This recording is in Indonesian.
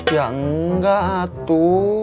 ya enggak atu